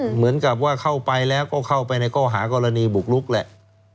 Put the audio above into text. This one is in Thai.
เหมือนกับว่าเข้าไปแล้วก็เข้าไปในข้อหากรณีบุกลุกแหละ